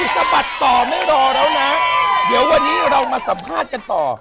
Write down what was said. สะบัดต่อไม่รอแล้วนะเดี๋ยววันนี้เรามาสัมภาษณ์กันต่อ